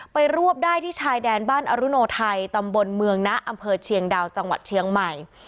รวบได้ที่ชายแดนบ้านอรุโนไทยตำบลเมืองนะอำเภอเชียงดาวจังหวัดเชียงใหม่